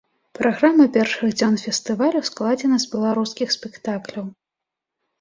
Праграма першых дзён фестывалю складзена з беларускіх спектакляў.